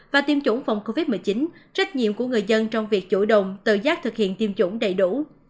và tiêm chủng phòng covid một mươi chín trách nhiệm của người dân trong việc chủ động tự giác thực hiện tiêm chủng đầy đủ